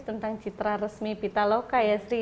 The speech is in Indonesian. tentang citra resmi pita loka ya sri